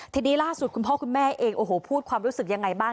ทีนี้ล่าสุดคุณพ่อคุณแม่เองโอ้โหพูดความรู้สึกยังไงบ้าง